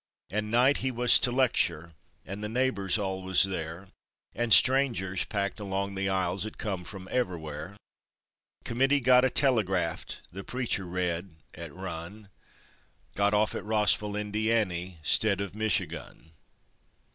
And night he wus to lectur', and the neighbors all was there, And strangers packed along the aisles 'at come from ever'where, Committee got a telegrapht the preacher read, 'at run "Got off at Rossville, Indiany, stead of Michigun."